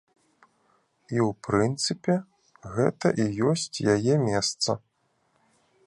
І, у прынцыпе, гэта і ёсць яе месца.